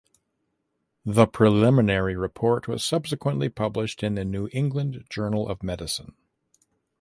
The preliminary report was subsequently published in "The New England Journal of Medicine".